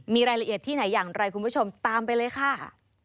มีรายละเอียดที่ไหนอย่างไรคุณผู้ชมตามไปเลยค่ะ